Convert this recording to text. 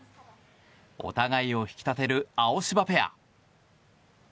お互いを引き立てるアオシバペア。